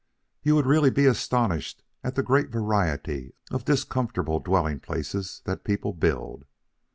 You would really be astonished at the great variety of discomfortable dwelling places that people build.